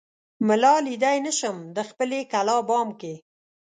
ملا ليدای نه شم دخپلې کلا بام کې